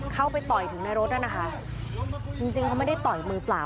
เข้าไปต่อยถึงในรถน่ะนะคะจริงจริงเขาไม่ได้ต่อยมือเปล่า